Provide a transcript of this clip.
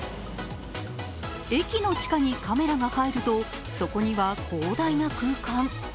駅の地下にカメラが入ると、そこには広大な空間。